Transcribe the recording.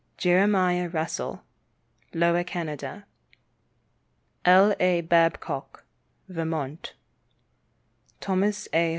Jeremiah Russell, Lower Canada. L. A. Babcock, Vermont. Thomas A.